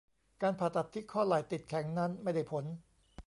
การผ่าตัดที่ข้อไหล่ติดแข็งนั้นไม่ได้ผล